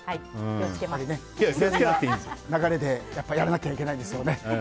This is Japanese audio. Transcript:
やっぱり流れでやらなきゃいけないですよね。